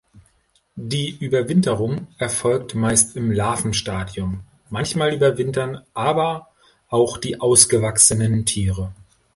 Die Überwinterung erfolgt meist im Larvenstadium, manchmal überwintern aber auch die ausgewachsenen Tiere.